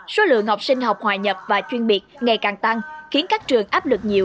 số lượng học sinh học hòa nhập và chuyên biệt ngày càng tăng khiến các trường áp lực nhiều